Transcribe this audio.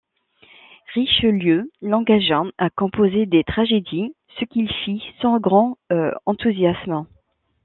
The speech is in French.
Richelieu l'engagea à composer des tragédies, ce qu'il fit sans grand enthousiasme.